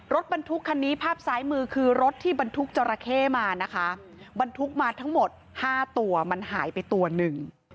รถบรรทุกคันนี้ภาพซ้ายมือคือรถที่บรรทุกจราเข้มานะคะบรรทุกมาทั้งหมด๕ตัวมันหายไปตัวหนึ่ง